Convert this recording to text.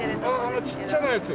あのちっちゃなやつ？